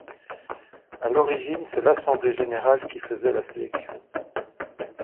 À l’origine, c’est l’Assemblée générale qui faisait la sélection.